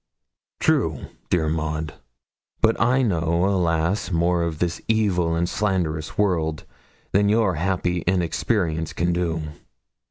'True, dear Maud, but I know, alas! more of this evil and slanderous world than your happy inexperience can do.